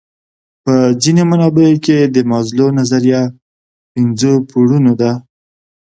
په ځینو منابعو کې د مازلو نظریه پنځو پوړونو ده.